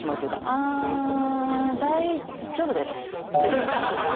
「あ大丈夫です」って言ったりとか。